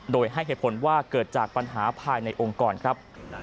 โดยให้เหตุผลว่าเกิดจากปัญหาภายในองค์กรครับ